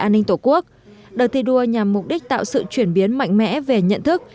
được thi đua nhằm mục đích tạo sự chuyển biến mạnh mẽ về nhận thức